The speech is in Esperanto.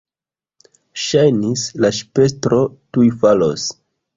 Ŝajnis, la ŝipestro tuj falos.